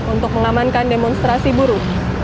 untuk mengamankan demonstrasi buruk